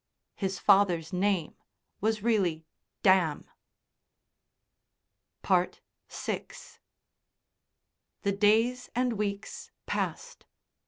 His father's name was really "Damn." VI The days and weeks passed.